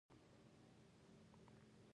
د سیاستوالو تمایل دې اړخ ته راوښتی دی.